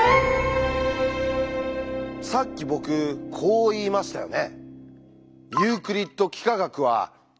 さっき僕こう言いましたよね。